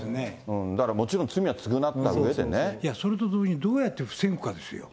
だからもちろん、罪は償ったいや、それと同時に、どうやって防ぐかですよ。